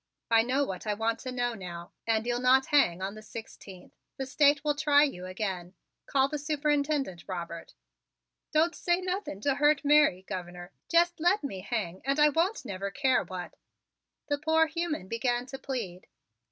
I know what I want to know now and you'll not hang on the sixteenth. The State will try you again. Call the superintendent, Robert." "Don't say nothing to hurt Mary, Governor. Jest let me hang and I won't never care what " the poor human began to plead.